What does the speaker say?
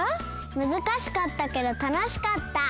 むずかしかったけどたのしかった。